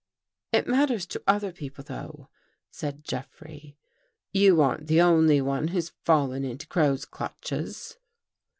It matters to other people, though," said Jeff rey. "You aren't the only one who's fallen into Crow's clutches."